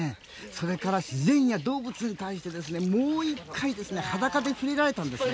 それから自然や動物に対してもう１回、裸で触れ合えたんです。